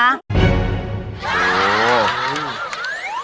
โอ้โห